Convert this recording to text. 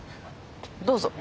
どうぞ。